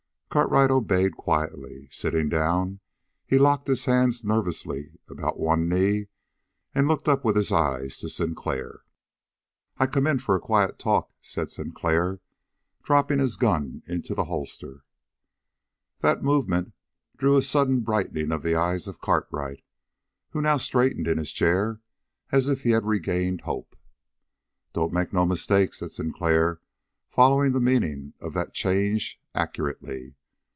Cartwright obeyed quietly. Sitting down, he locked his hands nervously about one knee and looked up with his eyes to Sinclair. "I come in for a quiet talk," said Sinclair, dropping his gun into the holster. That movement drew a sudden brightening of the eyes of Cartwright, who now straightened in his chair, as if he had regained hope. "Don't make no mistake," said Sinclair, following the meaning of that change accurately.